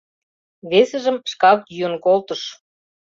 Весыжым шкак йӱын колтыш...